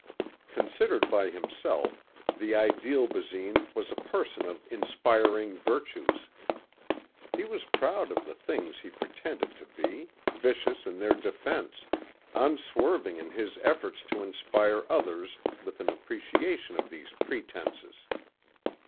Considered by himself, the ideal Basine was a person of inspiring virtues. He was proud of the things he pretended to be, vicious in their defense, unswerving in his efforts to inspire others with an appreciation of these pretenses.